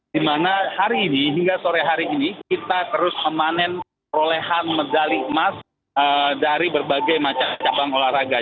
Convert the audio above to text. di mana hari ini hingga sore hari ini kita terus memanen perolehan medali emas dari berbagai macam cabang olahraga